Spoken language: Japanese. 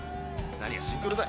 何がシンクロだ。